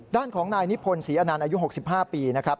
ด้านของนายนิพนธ์ศรีอนันต์อายุ๖๕ปีนะครับ